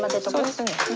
そうですね。